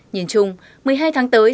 nhìn chung một mươi hai tháng tới